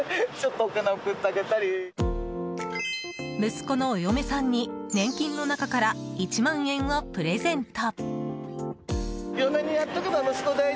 息子のお嫁さんに年金の中から１万円をプレゼント。